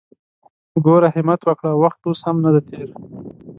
ګوره همت وکړه! وخت اوس هم ندی تېر!